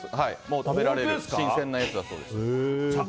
食べられる新鮮なやつだそうです。